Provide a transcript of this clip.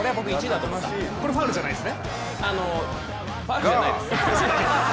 あの、ファウルじゃないです。